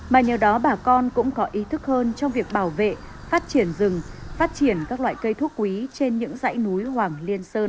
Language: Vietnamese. mà nhờ đó bà con cũng có ý thức hơn trong việc bảo vệ phát triển rừng phát triển các loại cây thuốc quý trên những dãy núi hoàng liên sơn